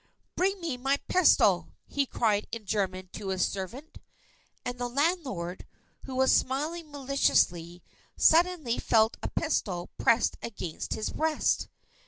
"Bring me my pistol!" he cried in German to his servant. And the landlord, who was smiling maliciously, suddenly felt a pistol pressed against his breast.